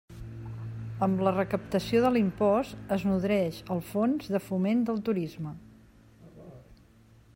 Amb la recaptació de l'impost es nodreix el Fons de foment del turisme.